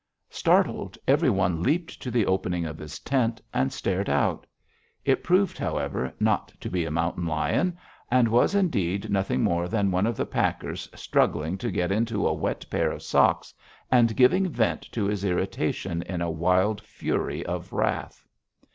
Startled, every one leaped to the opening of his tent and stared out. It proved, however, not to be a mountain lion, and was, indeed, nothing more than one of the packers struggling to get into a wet pair of socks, and giving vent to his irritation in a wild fury of wrath.